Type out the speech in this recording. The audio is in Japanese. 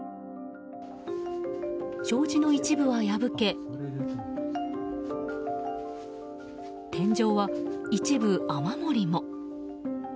障子の一部は破け天井は一部雨漏りも。